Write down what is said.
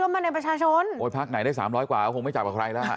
ไม่ต้องจับหรอกเขาเชื่อมั่นในประชาชน